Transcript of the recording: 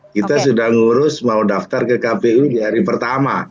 kita sudah ngurus mau daftar ke kpu di hari pertama